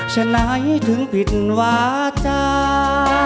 ฉะนั้นถึงผิดหวาจา